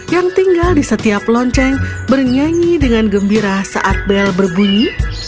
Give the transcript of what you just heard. yang tinggal di setiap lonceng bernyanyi dengan gembira saat bel berbunyi